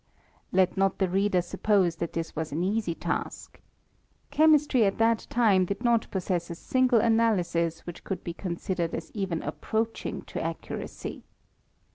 Let not the reader suppose that this was an easy task. Chemistry at thai time did not possess a single analysis which could be considered aa even approaching to accuracy.